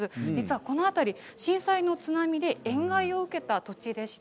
この辺り震災の塩害の被害を受けた土地でした。